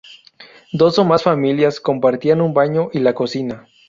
Dos o más familias compartían un baño y la cocina.